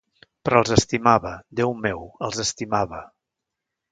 Però els estimava, Déu meu, els estimava.